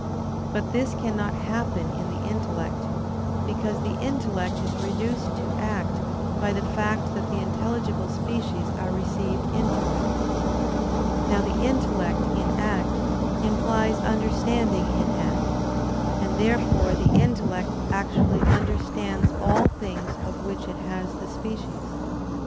But this cannot happen in the intellect, because the intellect is reduced to act by the fact that the intelligible species are received into it. Now the intellect in act implies understanding in act; and therefore the intellect actually understands all things of which it has the species.